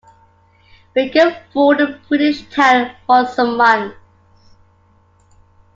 Baker fooled a British town for some months.